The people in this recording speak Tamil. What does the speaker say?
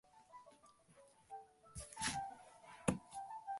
நல்ல இயற்கையின் பூரண கிருபை இருந்தது.